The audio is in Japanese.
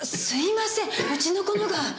すいませんうちの子のが。